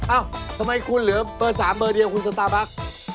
เอ้าทำไมคุณเหลือเบอร์๓เบอร์เดียวคุณสตาร์บัค